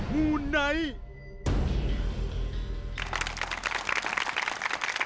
มูไนท์